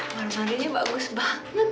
warna warna ini bagus banget